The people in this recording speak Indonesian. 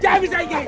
jangan bisa ini kek